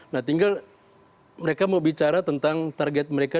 nah tinggal mereka mau bicara tentang target mereka